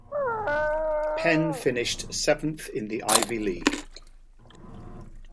Penn finished seventh in the Ivy League.